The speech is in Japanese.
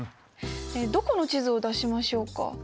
どこの地図を出しましょうか。